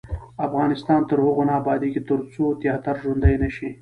افغانستان تر هغو نه ابادیږي، ترڅو تیاتر ژوندی نشي.